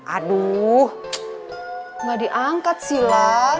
aduh nggak diangkat sih lah